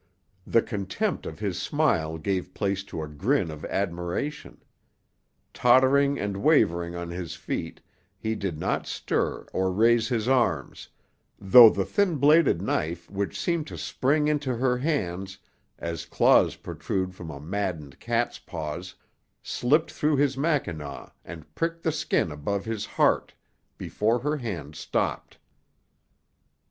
The contempt of his smile gave place to a grin of admiration. Tottering and wavering on his feet, he did not stir or raise his arms, though the thin bladed knife which seemed to spring into her hands as claws protrude from a maddened cat's paws, slipped through his mackinaw and pricked the skin above his heart, before her hand stopped.